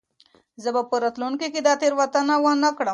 زه به په راتلونکې کې دا تېروتنه ونه کړم.